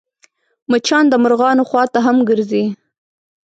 مچان د مرغانو خوا ته هم ګرځي